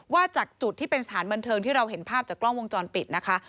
จากจุดที่เป็นสถานบันเทิงที่เราเห็นภาพจากกล้องวงจรปิดนะคะ